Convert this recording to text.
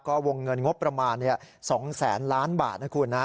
ก็วงเงินงบประมาณ๒แสนล้านบาทนะคุณนะ